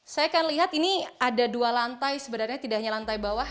saya akan lihat ini ada dua lantai sebenarnya tidak hanya lantai bawah